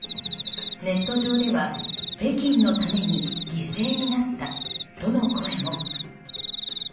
ネット上では北京のために犠牲になったとの声も。